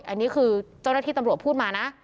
อันนี้คือเจ้าหน้าที่ตำรวจพูดมานะ